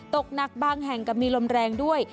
ตกหนักบางแห่งกับมีลมแรงด้วย